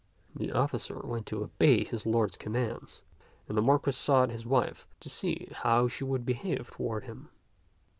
The officer went to obey his lord's commands; and the Marquis sought his wife to see how she would behave toward him.